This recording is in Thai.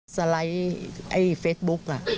สไลด์ไฟท์บุ๊ค